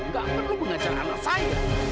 nggak perlu mengajar anak saya